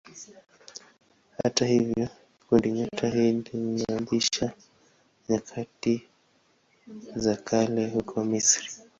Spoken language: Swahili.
Hata hivyo kundinyota hili lilianzishwa nyakati za kale huko Misri.